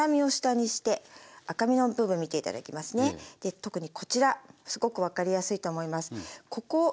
特にこちらすごく分かりやすいと思います。